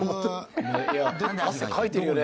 汗かいてるよね